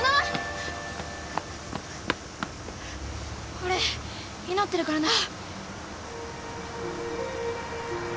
俺祈ってるからな。